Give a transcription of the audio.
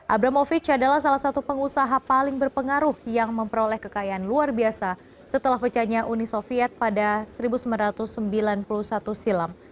abramovic adalah salah satu pengusaha paling berpengaruh yang memperoleh kekayaan luar biasa setelah pecahnya uni soviet pada seribu sembilan ratus sembilan puluh satu silam